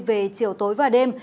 về chiều tối và đêm